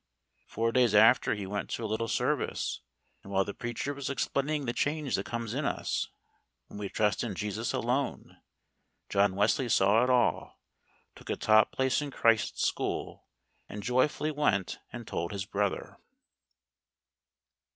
Four days after he went to a little service, and while the preacher was explaining the change that comes in us, when we trust in Jesus alone, John Wesley saw it all, took a top place in Christ's school, and joyfully went and told his brother.